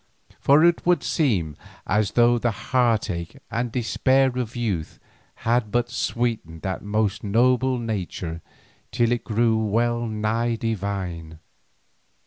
For it would seem as though the heart ache and despair of youth had but sweetened that most noble nature till it grew well nigh divine.